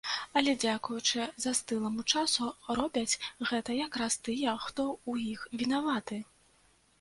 Але дзякуючы застыламу часу робяць гэта якраз тыя, хто ў іх вінаваты!